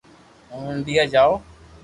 ھون انڌيا جاو